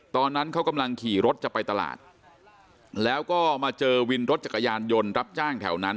ตอนนั้นเขากำลังขี่รถจะไปตลาดแล้วก็มาเจอวินรถจักรยานยนต์รับจ้างแถวนั้น